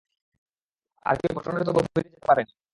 আর কেউ ঘটনার এত গভীরে যেতে পারেনি।